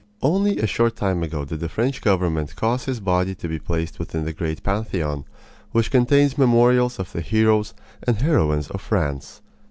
Only a short time ago did the French government cause his body to be placed within the great Pantheon, which contains memorials of the heroes and heroines of France.